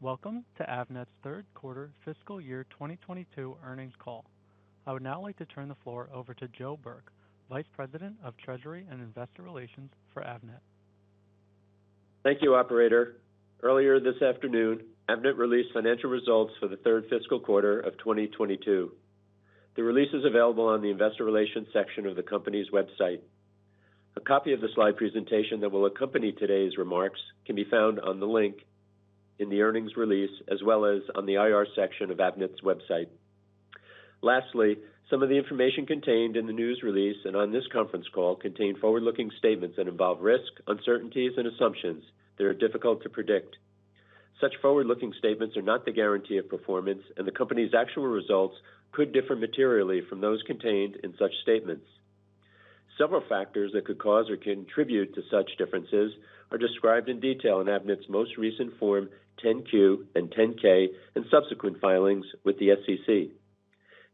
Welcome to Avnet's third quarter fiscal year 2022 earnings call. I would now like to turn the floor over to Joe Burke, Vice President of Treasury and Investor Relations for Avnet. Thank you, operator. Earlier this afternoon, Avnet released financial results for the third fiscal quarter of 2022. The release is available on the investor relations section of the company's website. A copy of the slide presentation that will accompany today's remarks can be found on the link in the earnings release as well as on the IR section of Avnet's website. Lastly, some of the information contained in the news release and on this conference, call contain forward-looking statements that involve risks, uncertainties, and assumptions that are difficult to predict. Such forward-looking statements are not the guarantee of performance, and the company's actual results could differ materially from those contained in such statements. Several factors that could cause or contribute to such differences are described in detail in Avnet's most recent Form 10-Q and 10-K and subsequent filings with the SEC.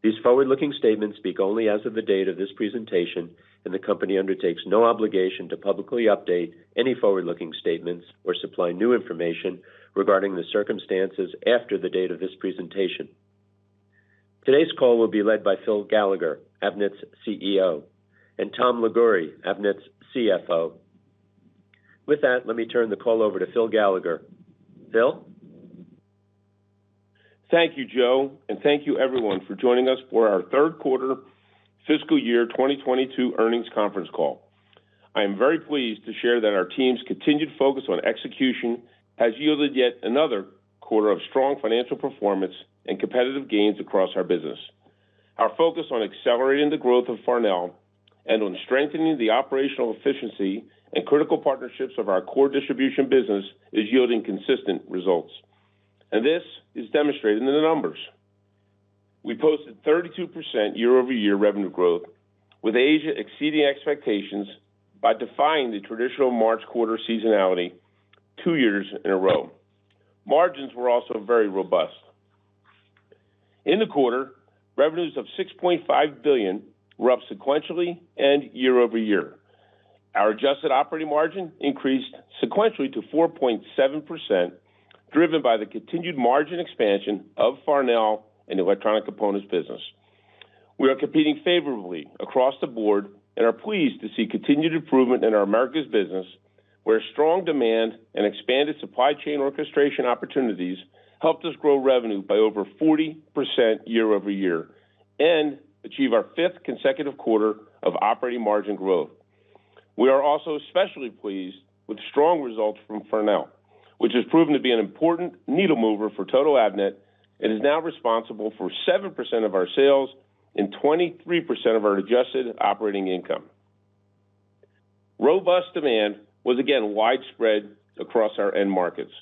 These forward-looking statements speak only as of the date of this presentation, and the company undertakes no obligation to publicly update any forward-looking statements or supply new information regarding the circumstances after the date of this presentation. Today's call will be led by Phil Gallagher, Avnet's CEO, and Tom Liguori, Avnet's CFO. With that, let me turn the call over to Phil Gallagher. Phil. Thank you, Joe, and thank you everyone for joining us for our third quarter fiscal year 2022 earnings conference call. I am very pleased to share that our team's continued focus on execution has yielded yet another quarter of strong financial performance and competitive gains across our business. Our focus on accelerating the growth of Farnell and on strengthening the operational efficiency and critical partnerships of our core distribution business is yielding consistent results. This is demonstrated in the numbers. We posted 32% year-over-year revenue growth, with Asia exceeding expectations by defying the traditional March quarter seasonality two years in a row. Margins were also very robust. In the quarter, revenues of $6.5 billion were up sequentially and year-over-year. Our adjusted operating margin increased sequentially to 4.7%, driven by the continued margin expansion of Farnell in the Electronic Components business. We are competing favorably across the board and are pleased to see continued improvement in our Americas business, where strong demand and expanded supply chain orchestration opportunities helped us grow revenue by over 40% year-over-year and achieve our fifth consecutive quarter of operating margin growth. We are also especially pleased with strong results from Farnell, which has proven to be an important needle mover for total Avnet and is now responsible for 7% of our sales and 23% of our adjusted operating income. Robust demand was again widespread across our end markets.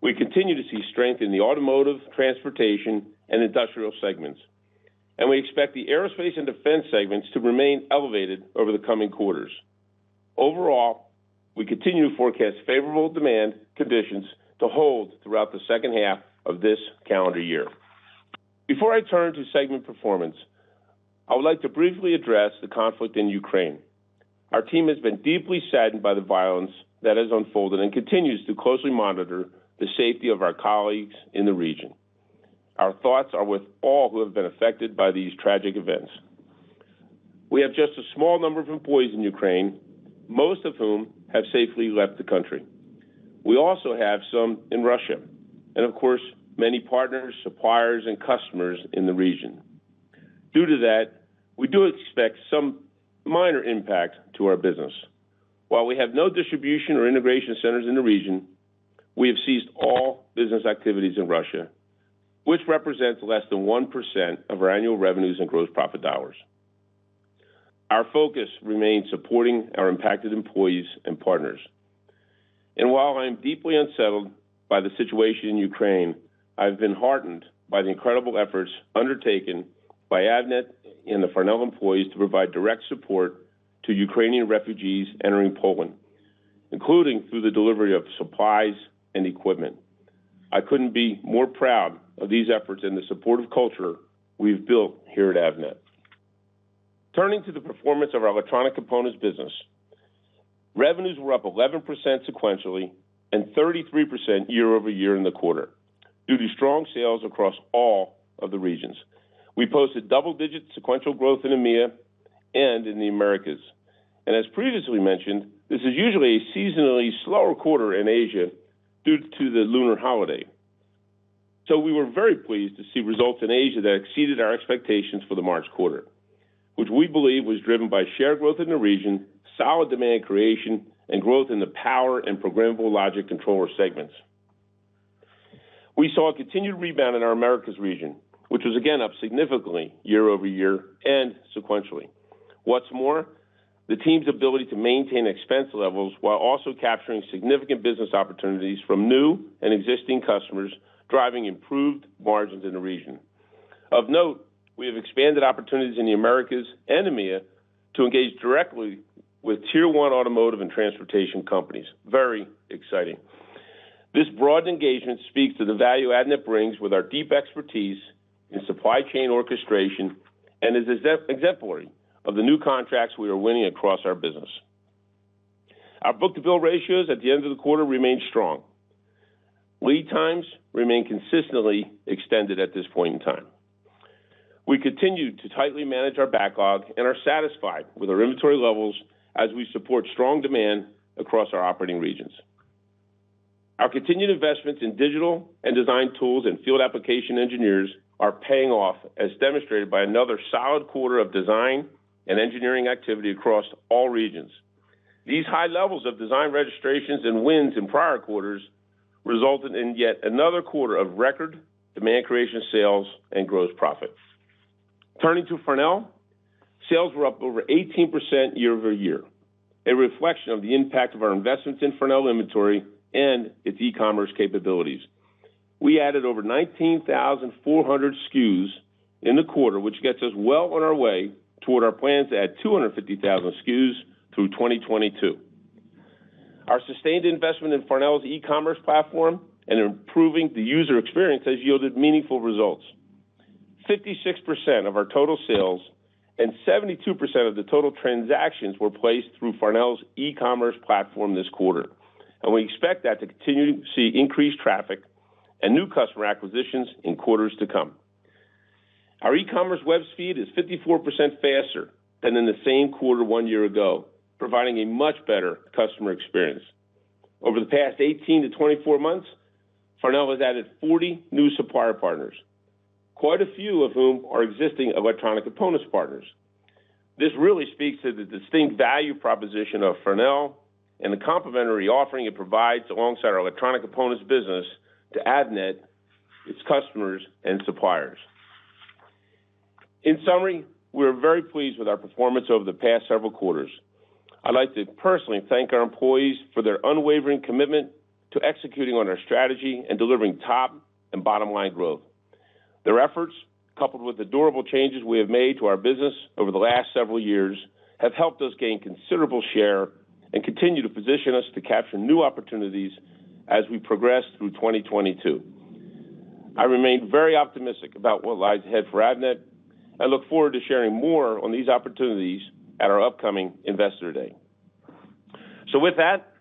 We continue to see strength in the automotive, transportation, and industrial segments, and we expect the aerospace and defense segments to remain elevated over the coming quarters. Overall, we continue to forecast favorable demand conditions to hold throughout the second half of this calendar year. Before I turn to segment performance, I would like to briefly address the conflict in Ukraine. Our team has been deeply saddened by the violence that has unfolded and continues to closely monitor the safety of our colleagues in the region. Our thoughts are with all who have been affected by these tragic events. We have just a small number of employees in Ukraine, most of whom have safely left the country. We also have some in Russia and of course, many partners, suppliers, and customers in the region. Due to that, we do expect some minor impact to our business. While we have no distribution or integration centers in the region, we have ceased all business activities in Russia, which represents less than 1% of our annual revenues and gross profit dollars. Our focus remains supporting our impacted employees and partners. While I am deeply unsettled by the situation in Ukraine, I've been heartened by the incredible efforts undertaken by Avnet and the Farnell employees to provide direct support to Ukrainian refugees entering Poland, including through the delivery of supplies and equipment. I couldn't be more proud of these efforts and the supportive culture we've built here at Avnet. Turning to the performance of our Electronic Components business. Revenues were up 11% sequentially and 33% year over year in the quarter due to strong sales across all of the regions. We posted double-digit sequential growth in EMEA and in the Americas. As previously mentioned, this is usually a seasonally slower quarter in Asia due to the lunar holiday. We were very pleased to see results in Asia that exceeded our expectations for the March quarter, which we believe was driven by sheer growth in the region, solid demand creation, and growth in the power and programmable logic controller segments. We saw a continued rebound in our Americas region, which was again up significantly year-over-year and sequentially. What's more, the team's ability to maintain expense levels while also capturing significant business opportunities from new and existing customers driving improved margins in the region. Of note, we have expanded opportunities in the Americas and EMEA to engage directly with tier-one automotive and transportation companies. Very exciting. This broad engagement speaks to the value Avnet brings with our deep expertise in supply chain orchestration and is exemplary of the new contracts we are winning across our business. Our book-to-bill ratios at the end of the quarter remained strong. Lead times remain consistently extended at this point in time. We continue to tightly manage our backlog and are satisfied with our inventory levels as we support strong demand across our operating regions. Our continued investments in digital and design tools and field application engineers are paying off, as demonstrated by another solid quarter of design and engineering activity across all regions. These high levels of design registrations and wins in prior quarters resulted in yet another quarter of record demand creation sales and gross profits. Turning to Farnell, sales were up over 18% year-over-year, a reflection of the impact of our investments in Farnell inventory and its e-commerce capabilities. We added over 19,400 SKUs in the quarter, which gets us well on our way toward our plans to add 250,000 SKUs through 2022. Our sustained investment in Farnell's e-commerce platform and improving the user experience has yielded meaningful results. 56% of our total sales and 72% of the total transactions were placed through Farnell's e-commerce platform this quarter, and we expect that to continue to see increased traffic and new customer acquisitions in quarters to come. Our e-commerce web speed is 54% faster than in the same quarter one year ago, providing a much better customer experience. Over the past 18-24 months, Farnell has added 40 new supplier partners, quite a few of whom are existing electronic components partners. This really speaks to the distinct value proposition of Farnell and the complementary offering it provides alongside our electronic components business to Avnet, its customers, and suppliers. In summary, we're very pleased with our performance over the past several quarters. I'd like to personally thank our employees for their unwavering commitment to executing on our strategy and delivering top and bottom-line growth. Their efforts, coupled with the durable changes we have made to our business over the last several years, have helped us gain considerable share and continue to position us to capture new opportunities as we progress through 2022. I remain very optimistic about what lies ahead for Avnet. I look forward to sharing more on these opportunities at our upcoming Investor Day. With that,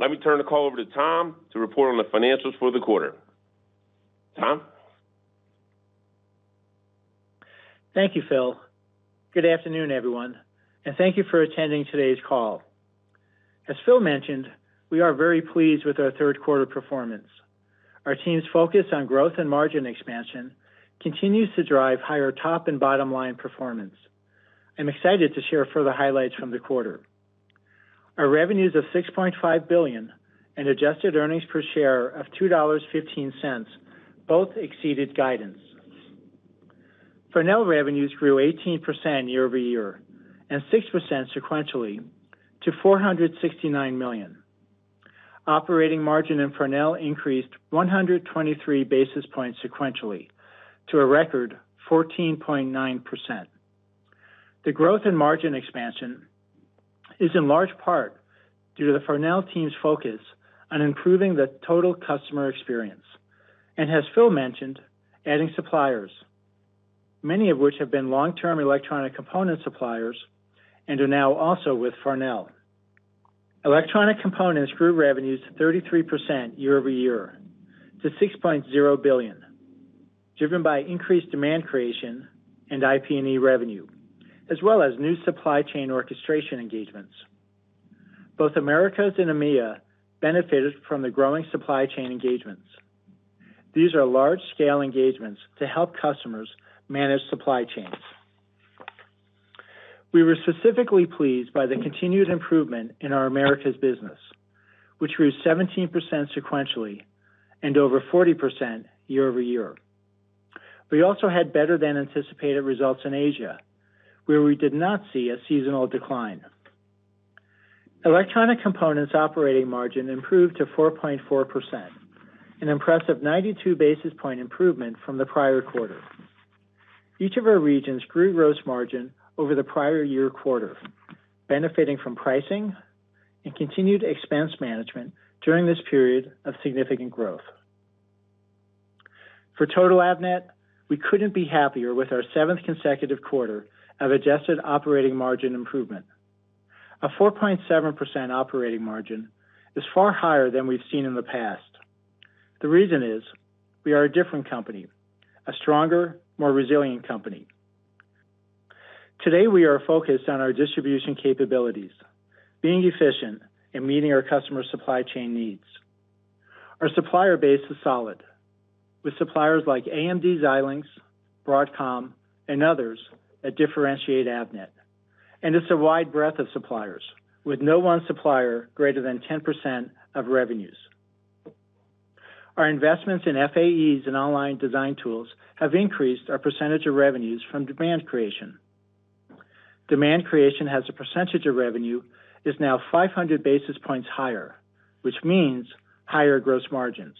let me turn the call over to Tom to report on the financials for the quarter. Tom? Thank you, Phil. Good afternoon, everyone, and thank you for attending today's call. As Phil mentioned, we are very pleased with our third quarter performance. Our team's focus on growth and margin expansion continues to drive higher top and bottom-line performance. I'm excited to share further highlights from the quarter. Our revenues of $6.5 billion and adjusted earnings per share of $2.15 both exceeded guidance. Farnell revenues grew 18% year-over-year and 6% sequentially to $469 million. Operating margin in Farnell increased 123 basis points sequentially to a record 14.9%. The growth in margin expansion is in large part due to the Farnell team's focus on improving the total customer experience, and as Phil mentioned, adding suppliers, many of which have been long-term electronic component suppliers and are now also with Farnell. Electronic Components grew revenues 33% year-over-year to $6.0 billion, driven by increased demand creation and IP&E revenue, as well as new supply chain orchestration engagements. Both Americas and EMEA benefited from the growing supply chain engagements. These are large-scale engagements to help customers manage supply chains. We were specifically pleased by the continued improvement in our Americas business, which grew 17% sequentially and over 40% year-over-year. We also had better than anticipated results in Asia, where we did not see a seasonal decline. Electronic Components operating margin improved to 4.4%, an impressive 92 basis point improvement from the prior quarter. Each of our regions grew gross margin over the prior-year quarter, benefiting from pricing and continued expense management during this period of significant growth. For total Avnet, we couldn't be happier with our seventh consecutive quarter of adjusted operating margin improvement. A 4.7% operating margin is far higher than we've seen in the past. The reason is we are a different company, a stronger, more resilient company. Today, we are focused on our distribution capabilities, being efficient and meeting our customer supply chain needs. Our supplier base is solid, with suppliers like AMD Xilinx, Broadcom, and others that differentiate Avnet. It's a wide breadth of suppliers with no one supplier greater than 10% of revenues. Our investments in FAEs and online design tools have increased our percentage of revenues from demand creation. Demand creation as a percentage of revenue is now 500 basis points higher, which means higher gross margins.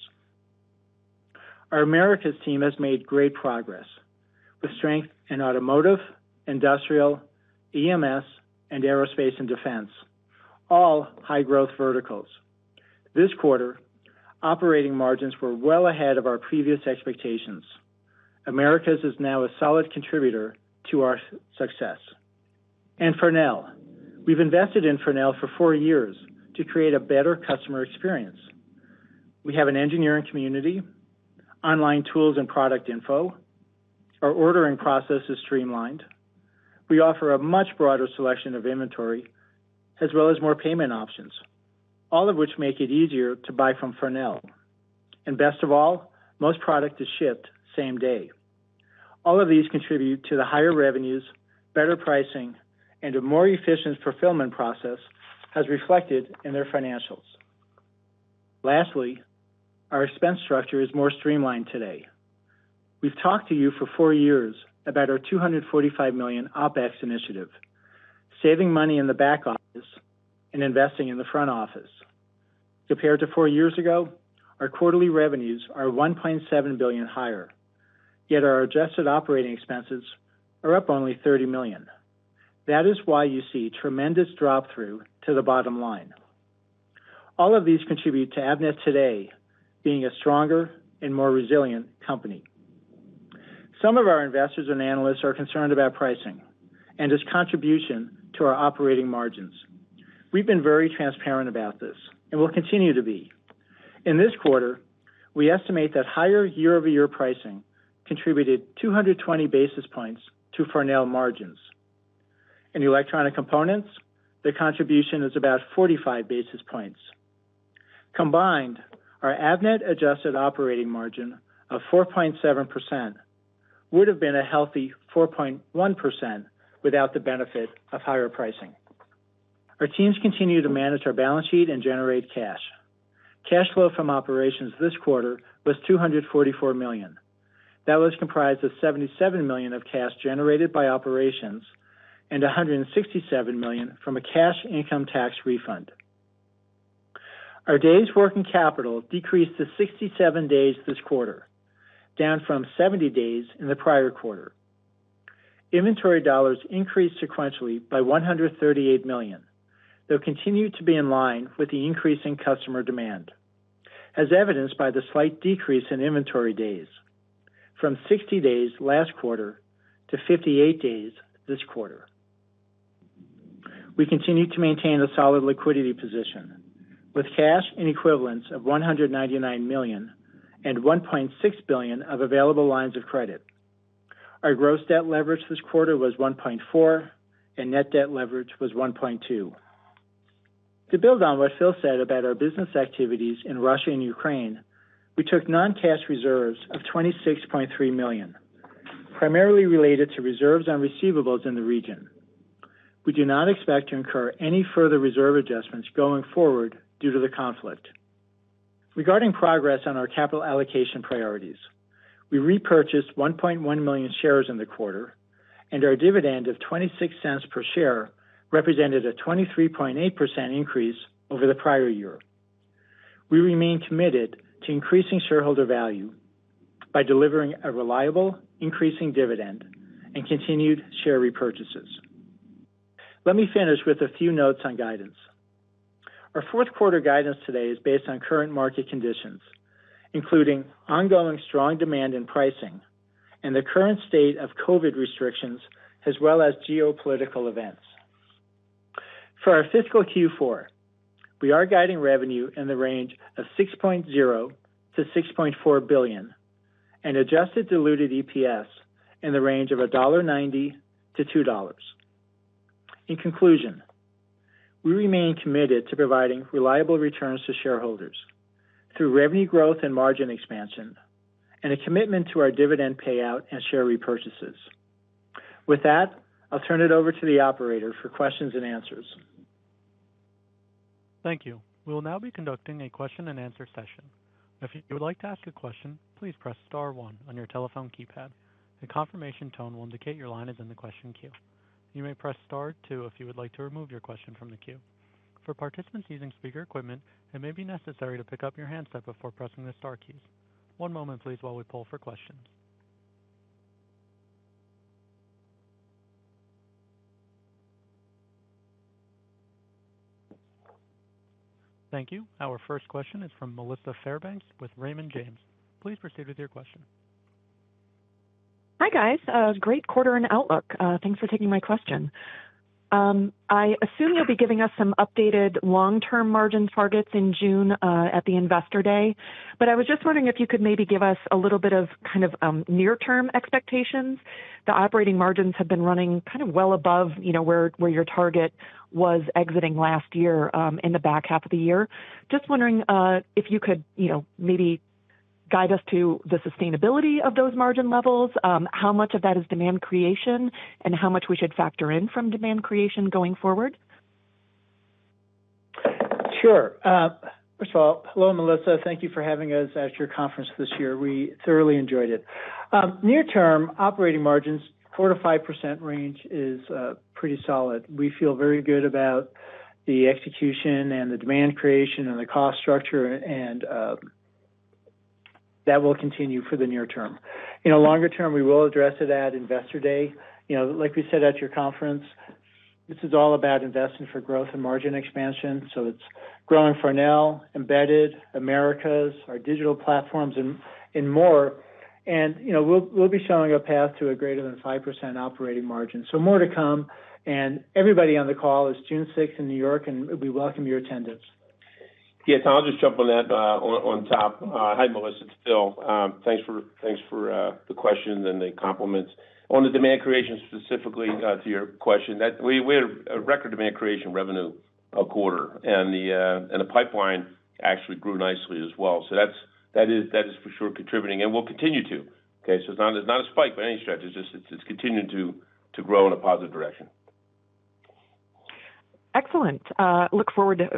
Our Americas team has made great progress with strength in automotive, industrial, EMS, and aerospace and defense, all high-growth verticals. This quarter, operating margins were well ahead of our previous expectations. Americas is now a solid contributor to our success. Farnell, we've invested in Farnell for four years to create a better customer experience. We have an engineering community, online tools and product info. Our ordering process is streamlined. We offer a much broader selection of inventory, as well as more payment options, all of which make it easier to buy from Farnell. Best of all, most product is shipped same day. All of these contribute to the higher revenues, better pricing, and a more efficient fulfillment process as reflected in their financials. Lastly, our expense structure is more streamlined today. We've talked to you for four years about our $245 million OpEx initiative, saving money in the back office and investing in the front office. Compared to four years ago, our quarterly revenues are $1.7 billion higher, yet our adjusted operating expenses are up only $30 million. That is why you see tremendous drop-through to the bottom line. All of these contribute to Avnet today being a stronger and more resilient company. Some of our investors and analysts are concerned about pricing and its contribution to our operating margins. We've been very transparent about this, and we'll continue to be. In this quarter, we estimate that higher year-over-year pricing contributed 220 basis points to Farnell margins. In Electronic Components, the contribution is about 45 basis points. Combined, our Avnet adjusted operating margin of 4.7% would have been a healthy 4.1% without the benefit of higher pricing. Our teams continue to manage our balance sheet and generate cash. Cash flow from operations this quarter was $244 million. That was comprised of $77 million of cash generated by operations and $167 million from a cash income tax refund. Our days' working capital decreased to 67 days this quarter, down from 70 days in the prior quarter. Inventory dollars increased sequentially by $138 million, though continued to be in line with the increase in customer demand, as evidenced by the slight decrease in inventory days from 60 days last quarter to 58 days this quarter. We continue to maintain a solid liquidity position with cash and equivalents of $199 million and $1.6 billion of available lines of credit. Our gross debt leverages this quarter was 1.4, and net debt leverage was 1.2. To build on what Phil said about our business activities in Russia and Ukraine, we took non-cash reserves of $26.3 million, primarily related to reserves on receivables in the region. We do not expect to incur any further reserve adjustments going forward due to the conflict. Regarding progress on our capital allocation priorities, we repurchased $1.1 million shares in the quarter, and our dividend of $0.26 per share represented a 23.8% increase over the prior year. We remain committed to increasing shareholder value by delivering a reliable increasing dividend and continued share repurchases. Let me finish with a few notes on guidance. Our fourth quarter guidance today is based on current market conditions, including ongoing strong demand and pricing and the current state of COVID restrictions as well as geopolitical events. For our fiscal Q4, we are guiding revenue in the range of $6.0 billion-$6.4 billion and adjusted diluted EPS in the range of $1.90-$2.00. In conclusion, we remain committed to providing reliable returns to shareholders through revenue growth and margin expansion and a commitment to our dividend payout and share repurchases. With that, I'll turn it over to the operator for questions and answers. Thank you. We will now be conducting a question-and-answer session. If you would like to ask a question, please press star one on your telephone keypad. A confirmation tone will indicate your line is in the question queue. You may press star two if you would like to remove your question from the queue. For participants using speaker equipment, it may be necessary to pick up your handset before pressing the star keys. One moment, please, while we poll for questions. Thank you. Our first question is from Melissa Fairbanks with Raymond James. Please proceed with your question. Hi, guys. Great quarter and outlook. Thanks for taking my question. I assume you'll be giving us some updated long-term margin targets in June at the Investor Day. I was just wondering if you could maybe give us a little bit of, kind of, near-term expectations. The operating margins have been running kind of well above, you know, where your target was exiting last year in the back half of the year. Just wondering if you could, you know, maybe guide us to the sustainability of those margin levels, how much of that is demand creation, and how much we should factor in from demand creation going forward. Sure. First of all, hello, Melissa. Thank you for having us at your conference this year. We thoroughly enjoyed it. Near term, operating margins, 4%-5% range is pretty solid. We feel very good about the execution and the demand creation and the cost structure and that will continue for the near term. You know, longer term, we will address it at Investor Day. You know, like we said at your conference, this is all about investing for growth and margin expansion. It's growing for now, embedded, Americas, our digital platforms and more. You know, we'll be showing a path to a greater than 5% operating margin. More to come, and everybody on the call, it's June 6th in New York, and we welcome your attendance. Yeah, Tom, I'll just jump on that, on top. Hi, Melissa, it's Phil. Thanks for the question and the compliments. On the demand creation, specifically, to your question, that we had a record demand creation revenue a quarter, and the pipeline actually grew nicely as well. That's for sure contributing, and will continue to, okay? It's not a spike by any stretch. It's just continuing to grow in a positive direction. Excellent.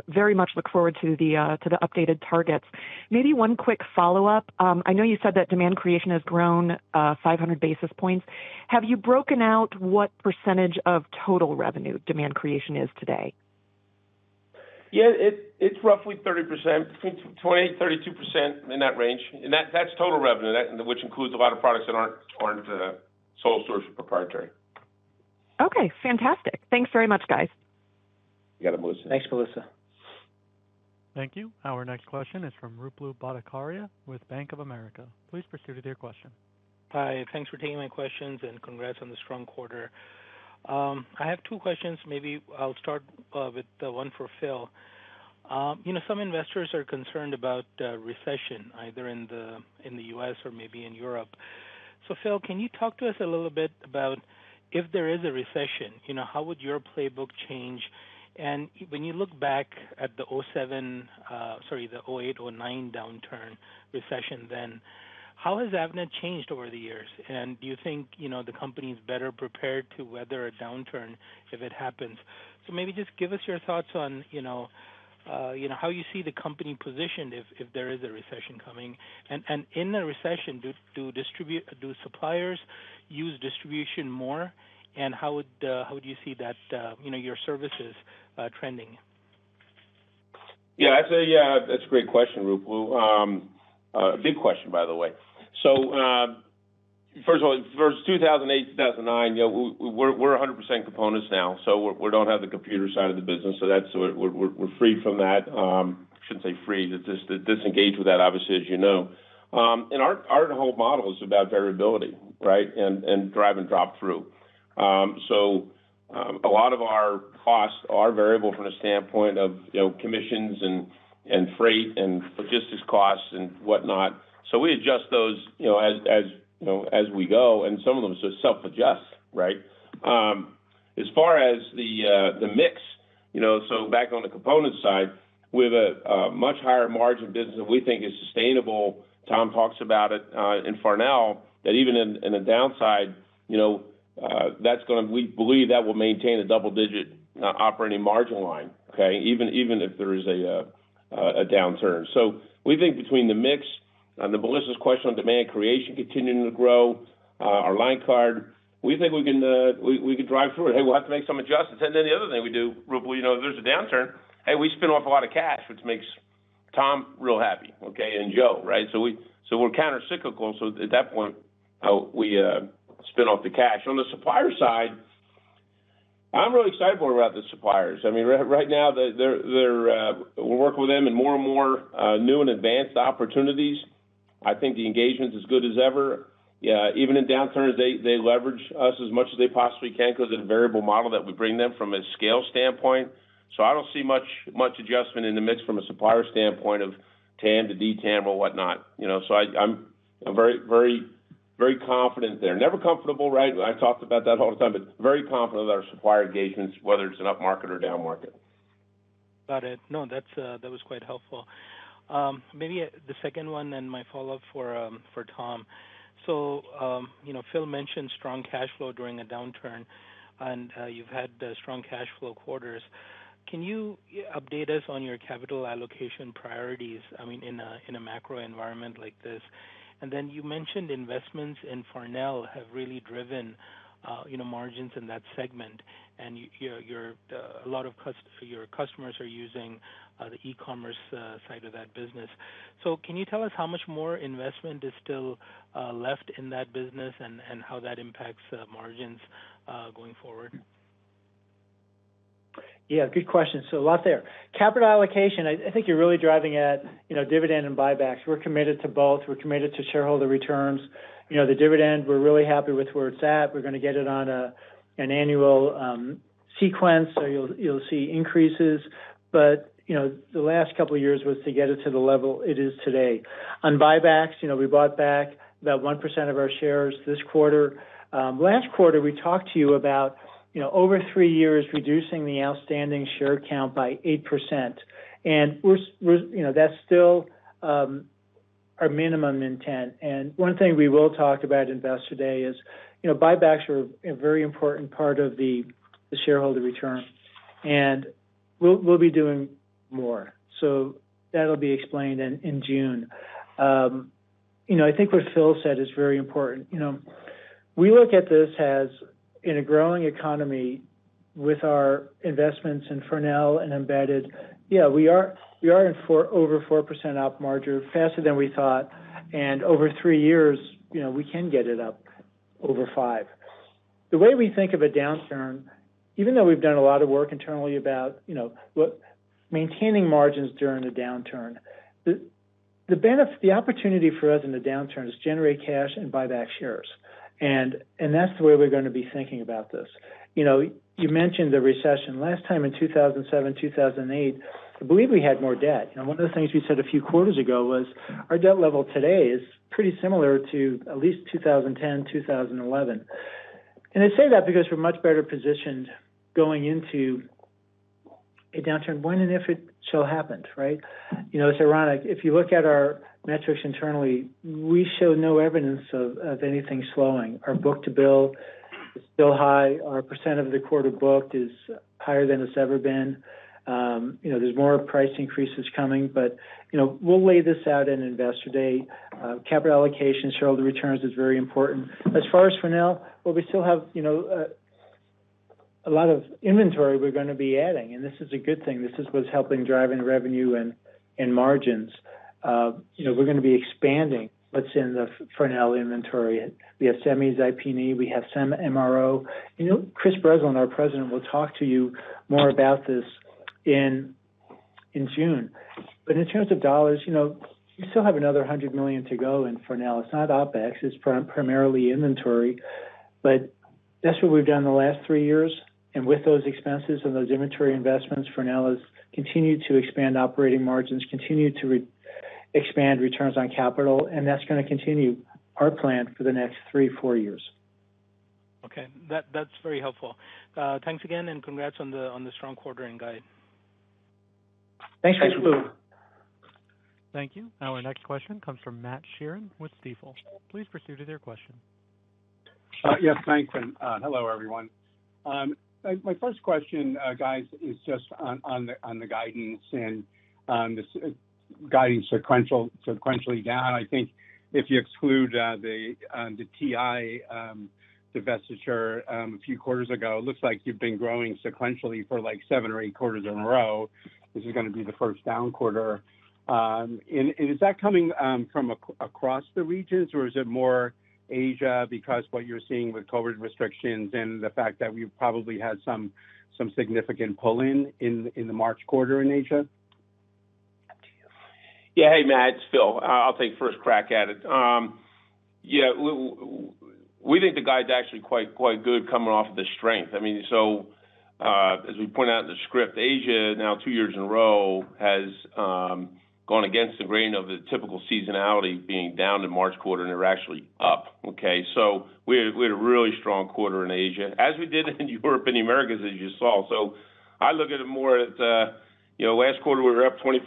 Very much look forward to the updated targets. Maybe one quick follow-up. I know you said that demand creation has grown 500 basis points. Have you broken out what percentage of total revenue demand creation is today? Yeah. It's roughly 30%. Between 20%-32%, in that range. That's total revenue. That, which includes a lot of products that aren't sole source or proprietary. Okay, fantastic. Thanks very much, guys. You got it, Melissa. Thanks, Melissa. Thank you. Our next question is from Ruplu Bhattacharya with Bank of America. Please proceed with your question. Hi. Thanks for taking my questions, and congrats on the strong quarter. I have two questions. Maybe I'll start with the one for Phil. You know, some investors are concerned about recession, either in the U.S. or maybe in Europe. Phil, can you talk to us a little bit about if there is a recession, you know, how would your playbook change? When you look back at the 2008, 2009 downturn recession then, how has Avnet changed over the years? Do you think, you know, the company's better prepared to weather a downturn if it happens? Maybe just give us your thoughts on, you know, how you see the company positioned if there is a recession coming. In a recession, do suppliers use distribution more? How would you see that, you know, your services trending? Yeah. I'd say, yeah, that's a great question, Ruplu. A big question, by the way. First of all, first 2008, 2009, you know, we're 100% components now, so we don't have the computer side of the business, so that's. We're free from that. I shouldn't say free. Just disengage with that, obviously, as you know. Our whole model is about variability, right? And drive and drop through. So a lot of our costs are variable from the standpoint of, you know, commissions and freight and logistics costs and whatnot. So we adjust those, you know, as we go, and some of them just self-adjust, right? As far as the mix, you know, so back on the component side, with a much higher margin business that we think is sustainable, Tom talks about it in Farnell, that even in a downside, you know, we believe that will maintain a double-digit operating margin line, okay? Even if there is a downturn. We think between the mix and to Melissa's question on demand creation continuing to grow our line card, we think we can drive through it. Hey, we'll have to make some adjustments. The other thing we do, Ruplu, you know, if there's a downturn, hey, we spin off a lot of cash, which makes Tom really happy, okay? And Joe, right? We're countercyclical. At that point, we spin off the cash. On the supplier side, I'm really excited about the suppliers. I mean, right now they're working with them in more and more new and advanced opportunities. I think the engagement's as good as ever. Even in downturns, they leverage us as much as they possibly can because of the variable model that we bring them from a scale standpoint. I don't see much adjustment in the mix from a supplier standpoint of TAM to DTAM or whatnot, you know? I'm very confident there. Never comfortable, right? I talked about that all the time, but very confident of our supplier engagements, whether it's an upmarket or down-market. Got it. No, that was quite helpful. Maybe the second one, and my follow-up for Tom. You know, Phil mentioned strong cash flow during a downturn, and you've had strong cash flow quarters. Can you update us on your capital allocation priorities, I mean, in a macro environment like this? You mentioned investments in Farnell have really driven, you know, margins in that segment, and a lot of your customers are using the e-commerce side of that business. Can you tell us how much more investment is still left in that business and how that impacts margins going forward? Yeah, good question. A lot there. Capital allocation, I think you're really driving at, you know, dividend and buybacks. We're committed to both. We're committed to shareholder returns. You know, the dividend, we're really happy with where it's at. We're going to get it on an annual sequence. You'll see increases. You know, the last couple of years was to get it to the level it is today. On buybacks, you know, we bought back about 1% of our shares this quarter. Last quarter, we talked to you about, you know, over three years, reducing the outstanding share count by 8%. You know, that's still our minimum intent. One thing we will talk about at Investor Day is, you know, buybacks are a very important part of the shareholder return, and we'll be doing more. So that'll be explained in June. You know, I think what Phil said is very important. You know, we look at this as in a growing economy with our investments in Farnell and Embedded. Yeah, we are over 4% op margin, faster than we thought. Over three years, you know, we can get it up over 5%. The way we think of a downturn, even though we've done a lot of work internally about, you know, maintaining margins during a downturn, the opportunity for us in the downturn is generate cash and buy back shares, and that's the way we're gonna be thinking about this. You know, you mentioned the recession. Last time in 2007, 2008, I believe we had more debt. You know, one of the things we said a few quarters ago was our debt level today is pretty similar to at least 2010, 2011. I say that because we're much better positioned going into a downturn when and if it so happens, right? You know, it's ironic. If you look at our metrics internally, we show no evidence of anything slowing. Our book-to-bill is still high. Our percent of the quarter booked is higher than it's ever been. You know, there's more price increases coming but, you know, we'll lay this out in Investor Day. Capital allocations show the returns is very important. As far as for now, well, we still have, you know, a lot of inventory we're going to be adding, and this is a good thing. This is what's helping drive revenue and margins. You know, we're going to be expanding what's in the Farnell inventory. We have semis, IP&E. We have some MRO. You know, Chris Breslin, our president, will talk to you more about this in June. In terms of dollars, you know, you still have another $100 million to go in Farnell. It's not OpEx. It's primarily inventory. That's what we've done the last three years. With those expenses and those inventory investments, Farnell has continued to expand operating margins, continued to re-expand returns on capital, and that's going to continue our plan for the next three, four years. Okay. That's very helpful. Thanks again, and congrats on the strong quarter and guide. Thanks, Ruplu Bhattacharya. Thanks. Thank you. Our next question comes from Matt Sheerin with Stifel. Please proceed with your question. Yes, thanks. Hello, everyone. My first question, guys, is just on the guidance and this guidance sequentially down. I think if you exclude the TI divestiture a few quarters ago, looks like you've been growing sequentially for, like, seven or eight quarters in a row. This is going to be the first down quarter. Is that coming from across the regions, or is it more in Asia because what you're seeing with COVID restrictions and the fact that we've probably had some significant pull-in in the March quarter in Asia? Up to you. Yeah. Hey, Matt, it's Phil. I'll take first crack at it. Yeah. We think the guide's actually quite good coming off the strength. I mean, as we point out in the script, Asia now two years in a row has gone against the grain of the typical seasonality being down in March quarter, and they're actually up, okay? We had a really strong quarter in Asia, as we did in Europe and the Americas, as you saw. I look at it more as, you know, last quarter, we were up 25%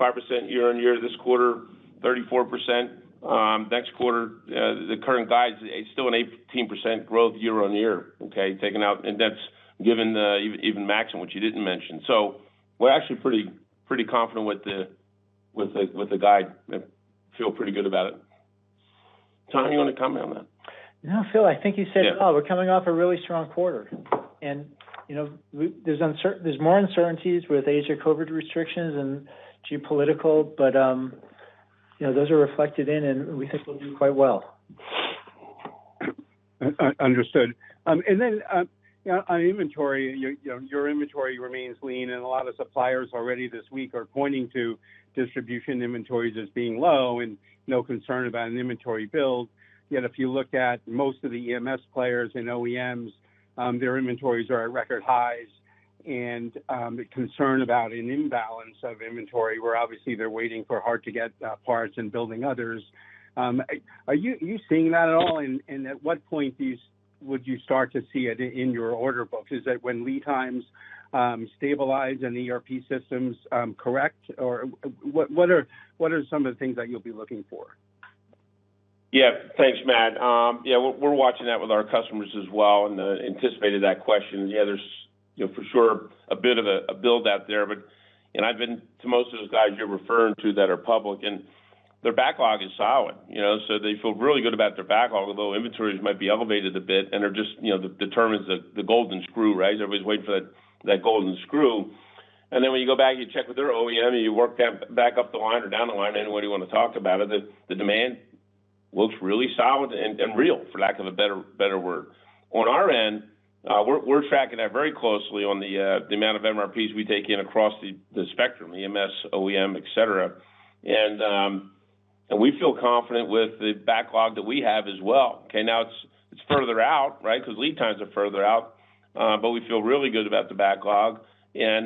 year-over-year, this quarter 34%, next quarter, the current guide's still an 18% growth year-over-year, okay? That's given even Maxim, which you didn't mention. We're actually pretty confident with the guide. I feel pretty good about it. Tom, you want to comment on that? No, Phil, I think you said it all. Yeah. We're coming off a really strong quarter. You know, there's more uncertainties with Asia COVID restrictions and geopolitical, but you know, those are reflected in, and we think we'll do quite well. Understood. On inventory, you know, your inventory remains lean, and a lot of suppliers already this week are pointing to distribution inventories as being low and no concern about an inventory build. Yet if you look at most of the EMS players and OEMs, their inventories are at record highs and concern about an imbalance of inventory, where obviously they're waiting for hard-to-get parts and building others. Are you seeing that at all? At what point would you start to see it in your order book? Is that when lead times stabilize and ERP systems correct? Or what are some of the things that you'll be looking for? Yeah. Thanks, Matt. Yeah, we're watching that with our customers as well and anticipated that question. Yeah, there's you know for sure a bit of a build out there but. I've been to most of the guys you're referring to that are public, and their backlog is solid, you know? They feel really good about their backlog, although inventories might be elevated a bit and they're just you know the determinant is the golden screw, right? Everybody's waiting for that golden screw. When you go back, you check with their OEM and you work back up the line or down the line, any way you wanna talk about it, the demand looks really solid and real, for lack of a better word. On our end, we're tracking that very closely on the amount of MRPs we take in across the spectrum, the EMS, OEM, et cetera. We feel confident with the backlog that we have as well. Okay. Now it's further out, right, because lead times are further out, but we feel really good about the backlog. Yeah,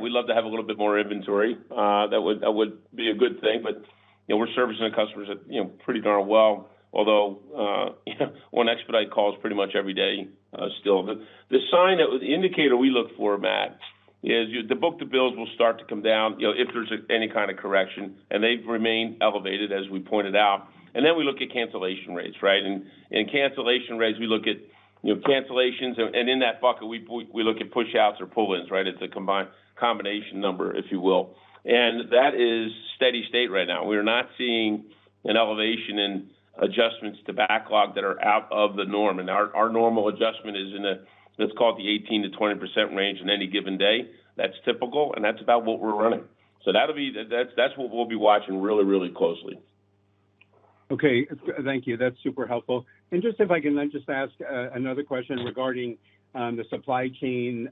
we'd love to have a little bit more inventory. That would be a good thing. You know, we're servicing the customers at, you know, pretty darn well. Although, one expedites call is pretty much every day, still. The indicator we look for, Matt, is the book-to-bill will start to come down, you know, if there's any kind of correction, and they've remained elevated, as we pointed out. We look at cancellation rates, right? Cancellation rates we look at. You know, cancellations and in that bucket, we look at pushouts or pull-ins, right? It's a combination number, if you will. That is steady state right now. We are not seeing an elevation in adjustments to backlog that are out of the norm. Our normal adjustment is in a let's call it the 18%-20% range in any given day. That's typical, and that's about what we're running. That's what we'll be watching really closely. Okay. Thank you. That's super helpful. Just if I can then just ask another question regarding the supply chain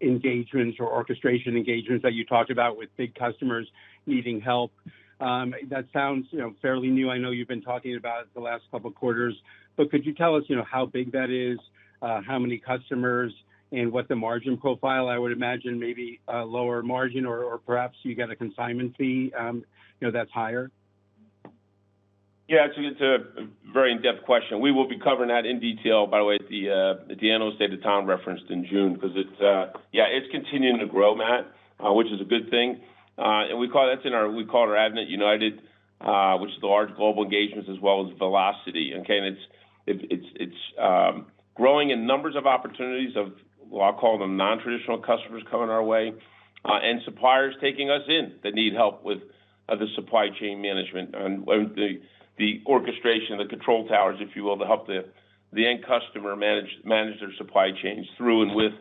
engagements or orchestration engagements that you talked about with big customers needing help. That sounds, you know, fairly new. I know you've been talking about it the last couple quarters. Could you tell us, you know, how big that is, how many customers, and what the margin profile? I would imagine maybe a lower margin or perhaps you get a consignment fee, you know, that's higher. Yeah. It's a very in-depth question. We will be covering that in detail, by the way, at the annual state of the union Tom referenced in June because it's continuing to grow, Matt, which is a good thing. We call it our Avnet United, which is the large global engagements as well as velocity, okay? It's growing in numbers of opportunities of, well, I'll call them nontraditional customers coming our way, and suppliers taking us in that need help with the supply chain management and the orchestration, the control towers, if you will, to help the end customer manage their supply chains through and with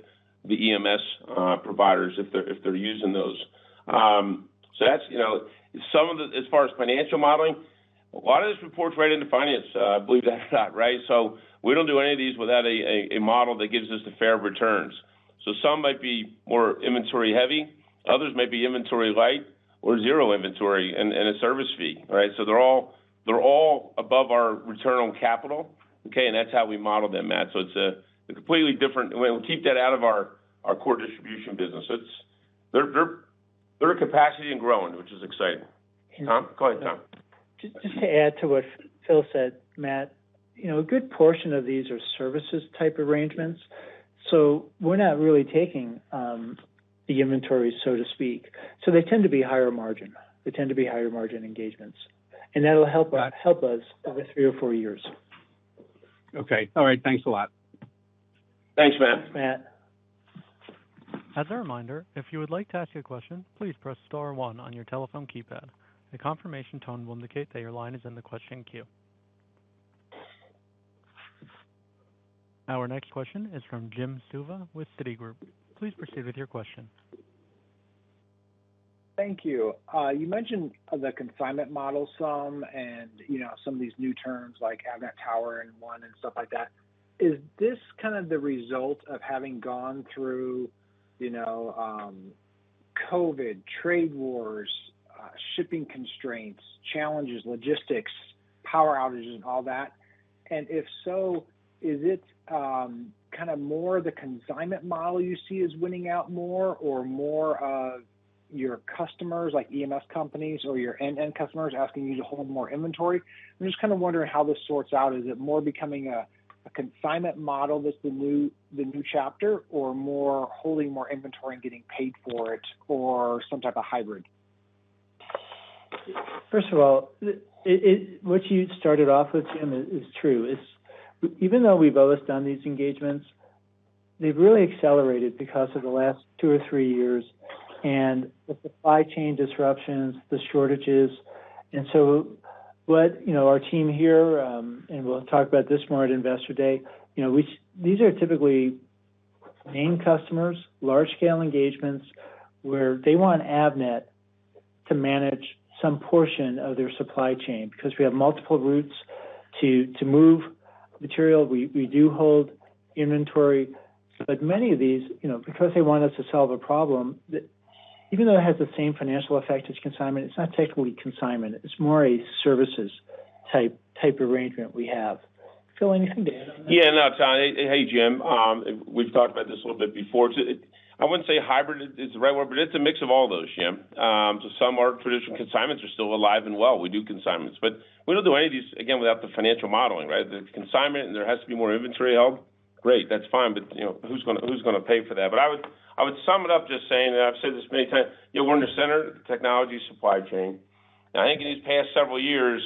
the EMS providers if they're using those. As far as financial modeling, a lot of these reports right into finance, believe it or not, right? We don't do any of these without a model that gives us the fair returns. Some might be more inventory heavy, others may be inventory light or zero inventory and a service fee, right? They're all above our return on capital, okay? That's how we model them, Matt. It's a completely different. We'll keep that out of our core distribution business. Their capacity and growing, which is exciting. Tom? Go ahead, Tom. Just to add to what Phil said, Matt. You know, a good portion of these are services type arrangements, so we're not really taking the inventory, so to speak. They tend to be higher margin. They tend to be higher margin engagements, and that'll help us. Got it. Help us over three or four years. Okay. All right. Thanks a lot. Thanks, Matt. Thanks, Matt. As a reminder, if you would like to ask a question, please press star one on your telephone keypad. A confirmation tone will indicate that your line is in the question queue. Our next question is from Jim Suva with Citigroup. Please proceed with your question. Thank you. You mentioned the consignment model some and, you know, some of these new terms like Avnet United and One and stuff like that. Is this kind of the result of having gone through, you know, COVID, trade wars, shipping constraints, challenges, logistics, power outages and all that? If so, is it kind of more the consignment model you see is winning out more or more of your customers like EMS companies or your end customers asking you to hold more inventory? I'm just kind of wondering how this sorts out. Is it more becoming a consignment model that's the new chapter or more holding more inventory and getting paid for it or some type of hybrid? First of all, what you started off with, Jim, is true even though we've always done these engagements, they've really accelerated because of the last two or three years and the supply chain disruptions, the shortages. You know, our team here, and we'll talk about this more at Investor Day, you know, these are typically main customers, large scale engagements, where they want Avnet to manage some portion of their supply chain because we have multiple routes to move material. We do hold inventory. But many of these, you know, because they want us to solve a problem, even though it has the same financial effect as consignment, it's not technically consignment. It's more a services type arrangement we have. Phil, anything to add on that? Yeah, no, Tom. Hey, Jim. We've talked about this a little bit before. I wouldn't say hybrid is the right word, but it's a mix of all those, Jim. So, some of our traditional consignments are still alive and well. We do consignments. We don't do any of these, again, without the financial modeling, right? The consignment, and there has to be more inventories held, great, that's fine. You know, who's going to pay for that? I would sum it up just saying that I've said this many times, you know, we're in the center of the technology supply chain. I think in these past several years,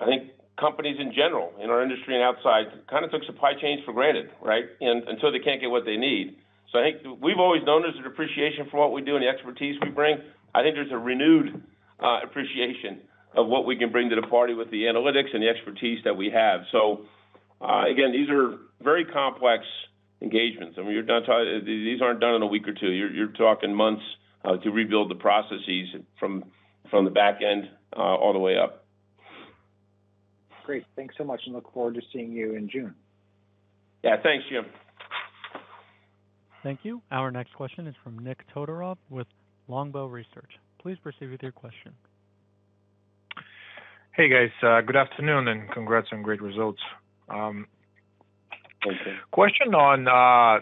I think companies in general, in our industry and outside, kind of took supply chains for granted, right? Until they can't get what they need. I think we've always known there's an appreciation for what we do and the expertise we bring. I think there's a renewed appreciation of what we can bring to the party with the analytics and the expertise that we have. Again, these are very complex engagements. I mean, these aren't done in a week or two. You're talking months to rebuild the processes from the back end all the way up. Great. Thanks so much and look forward to seeing you in June. Yeah. Thanks, Jim. Thank you. Our next question is from Nikolay Todorov with Longbow Research. Please proceed with your question. Hey, guys. Good afternoon, and congrats on great results. Thank you. Question on, I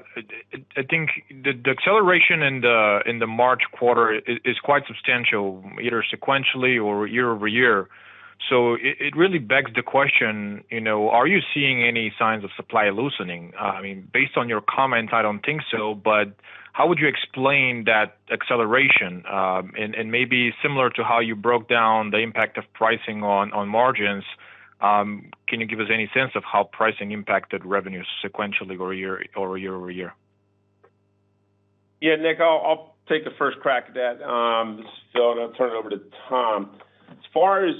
think the acceleration in the March quarter is quite substantial, either sequentially or year-over-year. It really begs the question, you know, are you seeing any signs of supply loosening? I mean, based on your comments, I don't think so, but how would you explain that acceleration? Maybe similar to how you broke down the impact of pricing on margins, can you give us any sense of how pricing impacted revenues sequentially or year-over-year? Yeah, Niko, I'll take the first crack at that. I'll turn it over to Tom. As far as,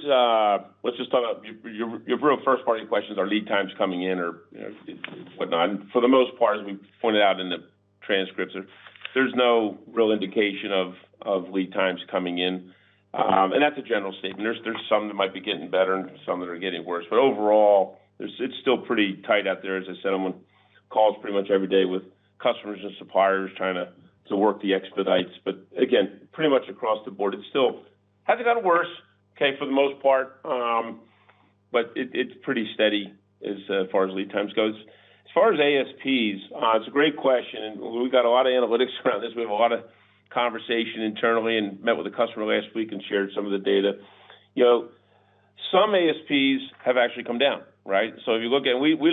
let's just talk about your real first party questions are lead times coming in or, you know, whatnot. For the most part, as we pointed out in the transcripts, there's no real indication of lead times coming in. That's a general statement. There's some that might be getting better and some that are getting worse, but overall, it's still pretty tight out there. As I said, I'm on calls pretty much every day with customers and suppliers trying to work the expedites. Again, pretty much across the board, it still hasn't gotten worse, okay, for the most part, but it's pretty steady as far as lead times goes. As far as ASPs, it's a great question, and we've got a lot of analytics around this. We have a lot of conversation internally and met with a customer last week and shared some of the data. You know, some ASPs have actually come down, right? We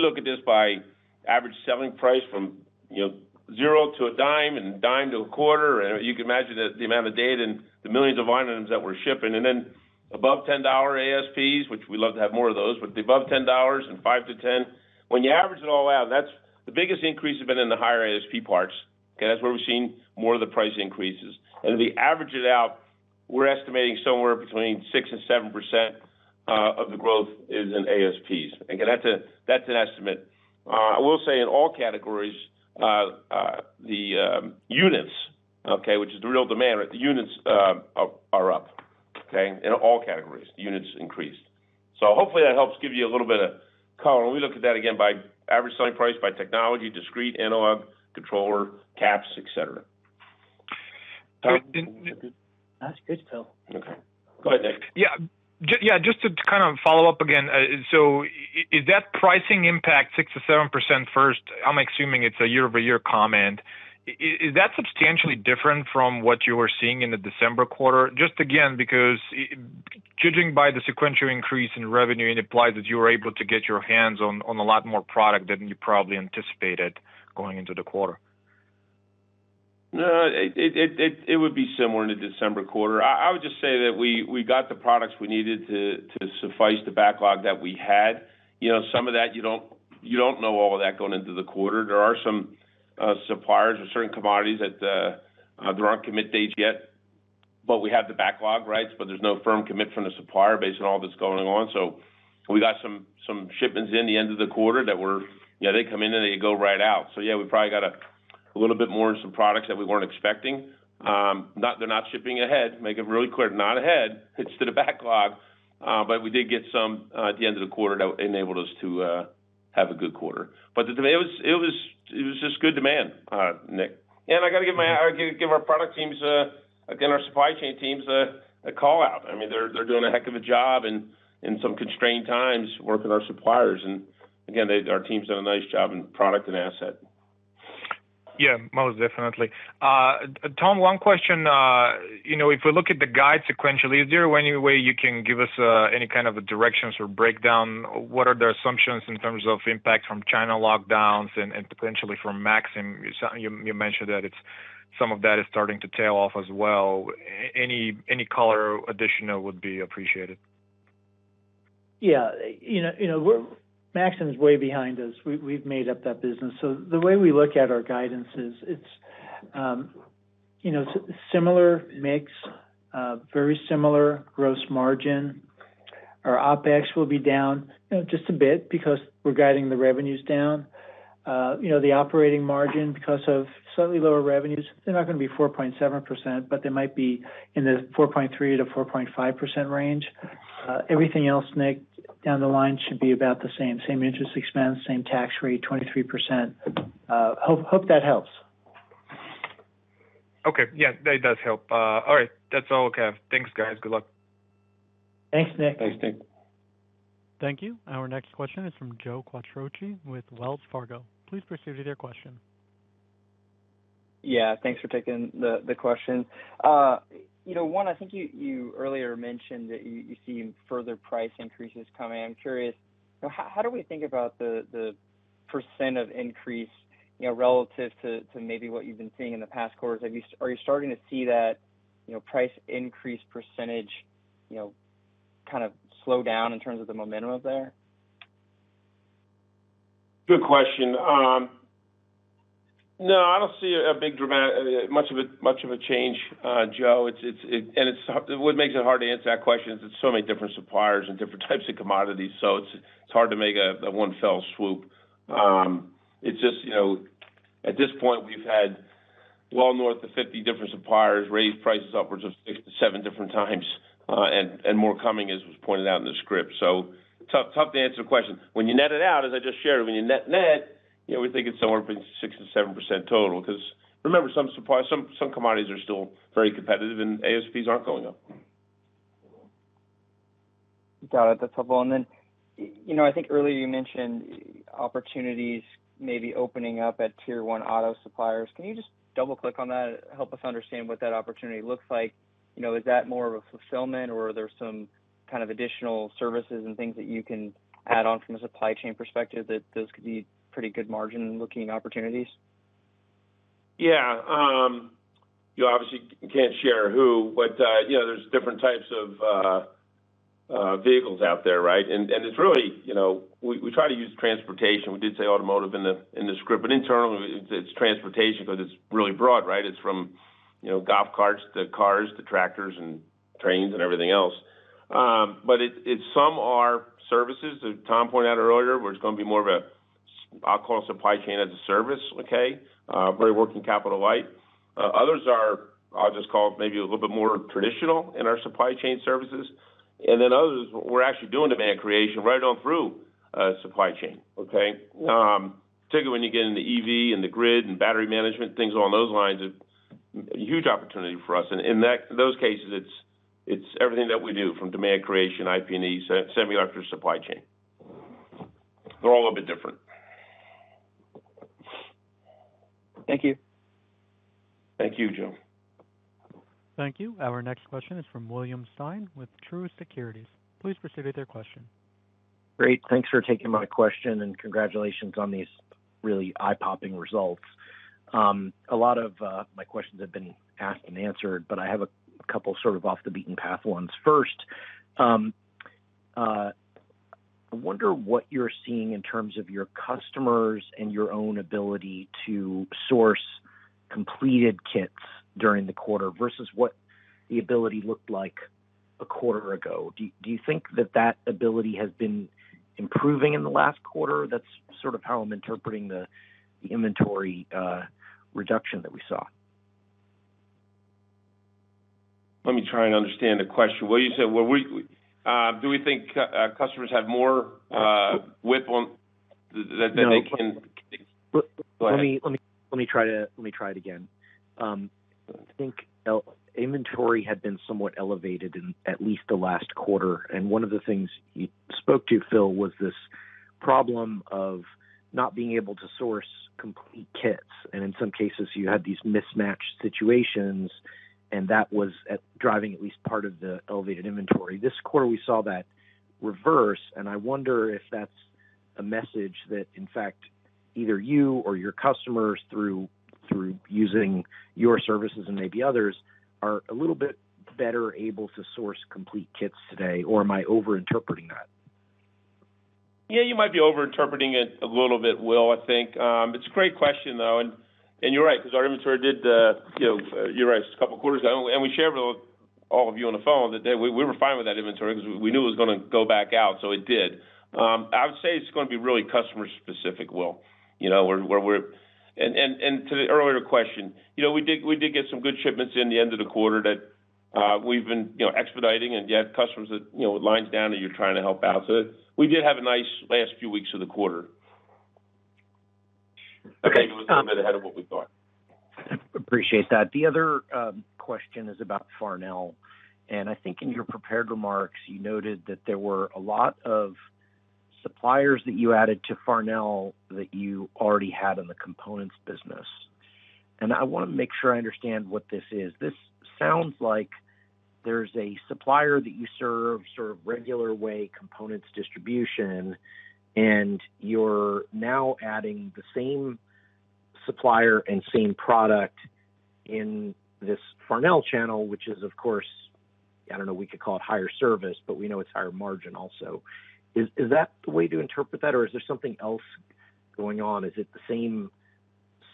look at this by average selling price from, you know, zero to a dime and dime to a quarter. You can imagine that the amount of data and the millions of items that we're shipping and then above $10 ASPs, which we love to have more of those, but above $10 and 5 to 10. When you average it all out, that's the biggest increase has been in the higher ASP parts. Okay. That's where we've seen more of the price increases. If we average it out, we're estimating somewhere between 6%-7% of the growth is in ASPs. Again, that's an estimate. I will say in all categories, the units, okay, which is the real demand, right? The units are up, okay? In all categories, the units increased. Hopefully that helps give you a little bit of color. We look at that again by average selling price, by technology, discrete, analog, controller, caps, et cetera. That's good, Phil. Okay. Go ahead, Nick. Yeah, just to kind of follow up again. So, is that pricing impact 6%-7% first? I'm assuming it's a year-over-year comment. Is that substantially different from what you were seeing in the December quarter? Just again, because judging by the sequential increase in revenue, it implies that you were able to get your hands on a lot more product than you probably anticipated going into the quarter. No, it would be similar in the December quarter. I would just say that we got the products we needed to suffice the backlog that we had. You know, some of that you don't know all of that going into the quarter. There are some suppliers or certain commodities that there aren't commit dates yet, but we have the backlog rights. But there's no firm commit from the supplier based on all that's going on. So, we got some shipments in the end of the quarter that were. You know, they come in and they go right out. So yeah, we probably got a little bit more in some products that we weren't expecting. They're not shipping ahead. Make it really clear, not ahead. It's due to the backlog, but we did get some at the end of the quarter that enabled us to have a good quarter. It was just good demand, Niko Todorov. I got to give our product teams, again, our supply chain teams a call-out. I mean, they're doing a heck of a job in some constrained times working with our suppliers. Again, our team's done a nice job in product and asset. Yeah, most definitely. Tom, one question. You know, if we look at the guide sequentially, is there any way you can give us any kind of directions or breakdown? What are the assumptions in terms of impact from China lockdowns and potentially from Maxim? You mentioned that it's some of that is starting to tail off as well. Any color additional would be appreciated. Yeah. You know, we're Maxim's way behind us. We've made up that business. The way we look at our guidance is its similar mix, very similar gross margin. Our OpEx will be down, you know, just a bit because we're guiding the revenues down. You know, the operating margin, because of slightly lower revenues, they're not gonna be 4.7%, but they might be in the 4.3%-4.5% range. Everything else, Nick, down the line should be about the same. Same interest expense, same tax rate, 23%. Hope that helps. Okay. Yeah, that does help. All right. That's all I have. Thanks, guys. Good luck. Thanks, Nick. Thanks, Nick. Thank you. Our next question is from Joe Quatrochi with Wells Fargo. Please proceed with your question. Yeah, thanks for taking the question. You know, I think you earlier mentioned that you're seeing further price increases coming. I'm curious, you know, how do we think about the percent of increase, you know, relative to maybe what you've been seeing in the past quarters? Are you starting to see that, you know, price increase percentage, you know, kind of slow down in terms of the momentum there? Good question. No, I don't see much of a change, Joe. It's what makes it hard to answer that question is it's so many different suppliers and different types of commodities, so it's hard to make a one fell swoop. It's just, you know, at this point, we've had well north of 50 different suppliers raise prices upwards of six to seven different times, and more coming as was pointed out in the script. Tough to answer the question. When you net it out, as I just shared, when you net-net, you know, we think it's somewhere between 6% and 7% total because remember, some suppliers, some commodities are still very competitive, and ASPs aren't going up. Got it. That's helpful. You know, I think earlier you mentioned opportunities maybe opening up at tier one auto suppliers. Can you just double-click on that, help us understand what that opportunity looks like? You know, is that more of a fulfillment or are there some kind of additional services and things that you can add on from a supply chain perspective that those could be pretty good margin looking opportunities? Yeah. You obviously can't share who, but you know, there's different types of vehicles out there, right? It's really, you know, we try to use transportation. We did say automotive in the script, but internally it's transportation because it's really broad, right? It's from, you know, golf carts to cars to tractors and trains and everything else. But some are services, as Tom pointed out earlier, where it's going to be more of a supply chain as a service, okay? Very working capital light. Others are, I'll just call it maybe a little bit more traditional in our supply chain services. Then others, we're actually doing demand creation right on through supply chain, okay? Particularly when you get into EV and the grid and battery management, things along those lines are a huge opportunity for us. In those cases, it's everything that we do from demand creation, IP&E, semis and supply chain. They're all a little bit different. Thank you. Thank you, Joe. Thank you. Our next question is from William Stein with Truist Securities. Please proceed with your question. Great. Thanks for taking my question, and congratulations on these really eye-popping results. A lot of my questions have been asked and answered, but I have a couple sort of off the beaten path ones. First, I wonder what you're seeing in terms of your customers and your own ability to source completed kits during the quarter versus what the ability looked like a quarter ago. Do you think that ability has been improving in the last quarter? That's sort of how I'm interpreting the inventory reduction that we saw. Let me try and understand the question. Well, you said what we do we think customers have more width on. That they can. No. Go ahead. I think inventory had been somewhat elevated in at least the last quarter, and one of the things you spoke to, Phil, was this problem of not being able to source complete kits. In some cases, you had these mismatched situations, and that was driving at least part of the elevated inventory. This quarter, we saw that reverse, and I wonder if that's a message that, in fact, either you or your customers through using your services and maybe others, are a little bit better able to source complete kits today, or am I over-interpreting that? Yeah, you might be over-interpreting it a little bit, Will, I think. It's a great question, though. You're right because our inventory did, you know, you're right. It's a couple quarters. We shared with all of you on the phone that we were fine with that inventory because we knew it was going to go back out, so it did. I would say it's going to be really customer specific, Will. To the earlier question, you know, we did get some good shipments in the end of the quarter that we've been, you know, expediting and you have customers that, you know, lines down that you're trying to help out. We did have a nice last few weeks of the quarter. Okay. It was a bit ahead of what we thought. Appreciate that. The other question is about Farnell. I think in your prepared remarks, you noted that there were a lot of suppliers that you added to Farnell that you already had in the components business. I want to make sure I understand what this is. This sounds like there's a supplier that you serve sort of regular way components distribution, and you're now adding the same supplier and same product in this Farnell channel, which is, of course, I don't know, we could call it higher service, but we know it's higher margin also. Is that the way to interpret that, or is there something else going on? Is it the same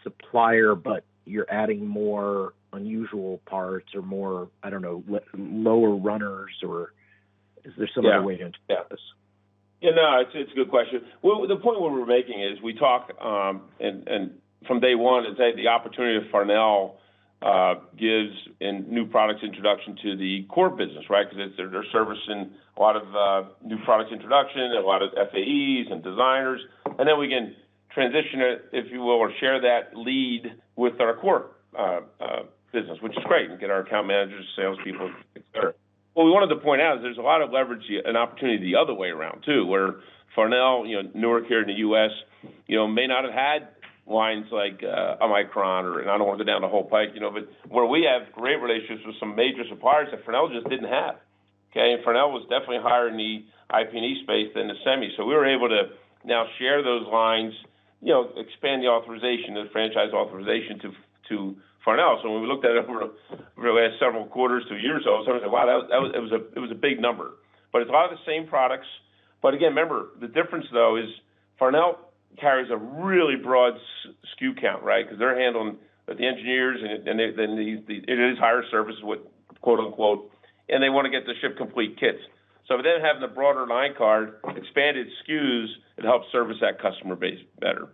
supplier, but you're adding more unusual parts or more, I don't know, lower runners or is there some other way to interpret this? Yeah. No, it's a good question. Well, the point what we're making is we talk, and from day one, it's like the opportunity of Farnell gives in new products introduction to the core business, right? Cause it's their service in a lot of new products introduction and a lot of FAEs and designers. Then we can transition it, if you will, or share that lead with our core business, which is great. We can get our account managers, salespeople, et cetera. What we wanted to point out is there's a lot of leverage here and opportunity the other way around too, where Farnell, you know, Newark here in the U.S., you know, may not have had lines like a Micron or. I don't want to go down the whole pike, you know. Where we have great relationships with some major suppliers that Farnell just didn't have, okay? Farnell was definitely higher in the IP&E space than the semi. We were able to now share those lines, you know, expand the authorization, the franchise authorization to Farnell. When we looked at it over the last several quarters, two years ago, sort of said, "Wow, that was a big number." It's a lot of the same products. Again, remember, the difference, though, is Farnell carries a really broad SKU count, right? Cause they're handling the engineers and it is higher service with quote-unquote, "And they want to get to ship complete kits." They're having a broader line card, expanded SKUs that help service that customer base better.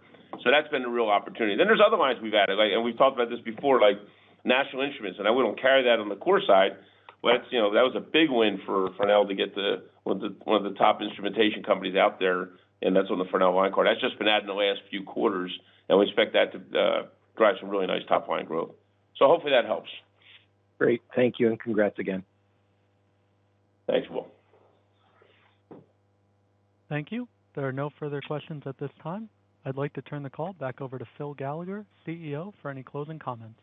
That's been a real opportunity. There's other lines we've added, like, and we've talked about this before, like National Instruments, and I wouldn't carry that on the core side. You know, that was a big win for Farnell to get the one of the top instrumentation companies out there, and that's on the Farnell line card. That's just been added in the last few quarters, and we expect that to drive some really nice top line growth. Hopefully that helps. Great. Thank you, and congrats again. Thanks, Will. Thank you. There are no further questions at this time. I'd like to turn the call back over to Phil Gallagher, CEO, for any closing comments.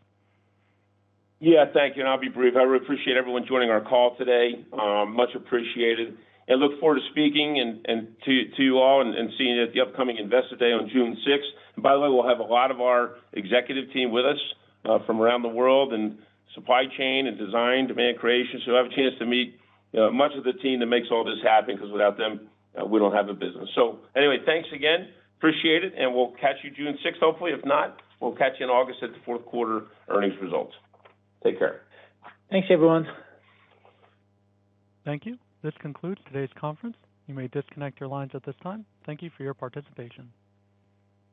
Yeah, thank you, and I'll be brief. I really appreciate everyone joining our call today. Much appreciated. I look forward to speaking to you all and seeing you at the upcoming Investor Day on June sixth. By the way, we'll have a lot of our executive team with us from around the world in supply chain and design, demand creation. You'll have a chance to meet much of the team that makes all this happen, because without them, we don't have a business. Anyway, thanks again. Appreciate it. We'll catch you June 6th, hopefully. If not, we'll catch you in August at the fourth quarter earnings results. Take care. Thanks, everyone. Thank you. This concludes today's conference. You may disconnect your lines at this time. Thank you for your participation.